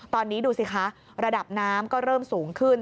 ตอนนี้ดูสิคะระดับน้ำก็เริ่มสูงขึ้น